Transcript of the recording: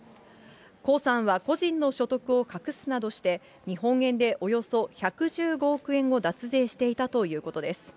黄さんは、個人の所得を隠すなどして、日本円でおよそ１１５億円を脱税していたということです。